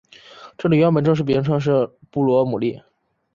这里原本正式名称是布罗姆利。